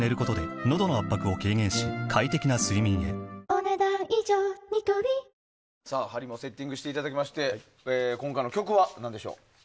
最高の渇きにＤＲＹ針もセッティングしていただきまして今回の曲は何でしょう。